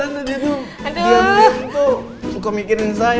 dia mikirin tuh suka mikirin saya